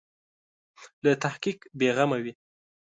له تحقیق بې غمه وي.